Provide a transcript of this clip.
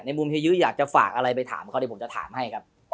ในมุมที่ยือยากจะฝากอะไรไปถามเขาดิผมจะถามให้ครับ